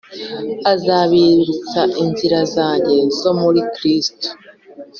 Azabibutsa inzira zanjye zo muri Kristo